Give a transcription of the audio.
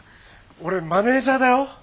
俺マネージャーだよ。